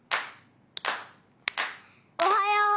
おはよう。